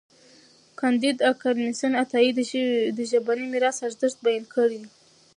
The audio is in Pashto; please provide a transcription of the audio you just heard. کانديد اکاډميسن عطايي د ژبني میراث ارزښت بیان کړی دی.